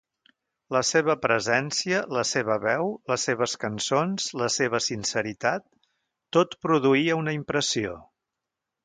La seva presència, la seva veu, les seves cançons, la seva sinceritat, tot produïa una impressió.